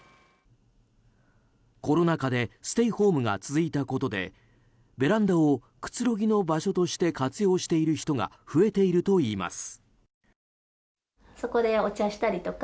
コロナ禍でステイホームが続いたことでベランダをくつろぎの場所として活用している人が増えているといいます。